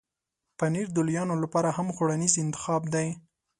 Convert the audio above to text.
پنېر د لویانو لپاره هم خوړنیز انتخاب دی.